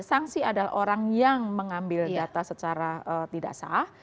sanksi adalah orang yang mengambil data secara tidak sah